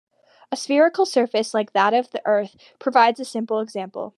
A spherical surface like that of the Earth provides a simple example.